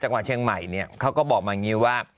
จังหวัดเชียงใหม่เนี่ยเขาก็บอกมาอย่างนี้ว่า